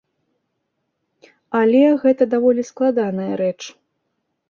Але гэта даволі складаная рэч.